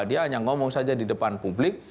dia hanya ngomong saja di depan publik